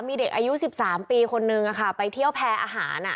มีเด็กอายุ๑๓ปีคนนึงไปเที่ยวแพร่อาหาร